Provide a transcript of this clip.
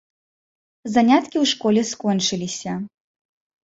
Заняткі ў школе скончыліся.